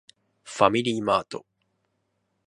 ファミリーマート